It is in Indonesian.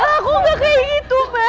ma aku gak kayak gitu ma